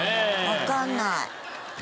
わかんない。